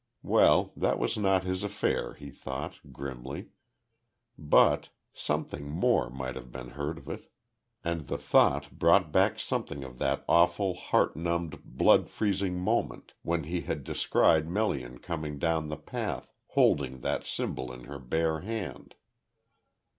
Well, that was not his affair, he thought, grimly, but something more might have been heard of it. And the thought brought back something of that awful heart numbed blood freezing moment, when he had descried Melian coming down the path, holding that symbol in her bare hand.